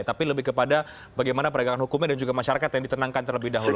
tapi lebih kepada bagaimana penegakan hukumnya dan juga masyarakat yang ditenangkan terlebih dahulu